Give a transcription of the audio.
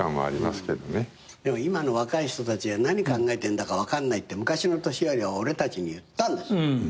でも今の若い人たちは何考えてんだか分かんないって昔の年寄りは俺たちに言ったんですよ。